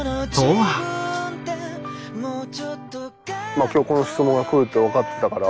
まぁ今日この質問がくるって分かってたから。